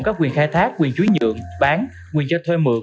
có quyền khai thác quyền chuối nhượng bán quyền cho thuê mượn